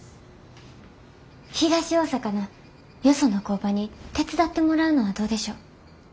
東大阪のよその工場に手伝ってもらうのはどうでしょう？